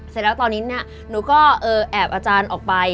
เสร็จแล้วตอนนี้เนี่ยหนูก็แอบอาจารย์ออกไป